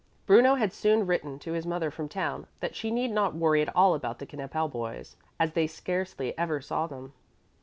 Bruno had soon written to his mother from town that she need not worry at all about the Knippel boys, as they scarcely ever saw them.